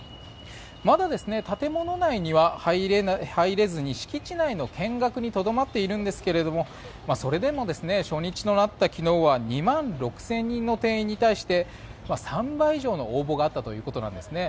まだ建物内には入れずに敷地内の見学にとどまっているんですがそれでも初日となった昨日は２万６０００人の定員に対して３倍以上の応募があったというわけなんですね。